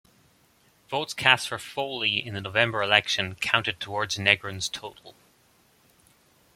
Votes cast for Foley in the November election counted towards Negron's total.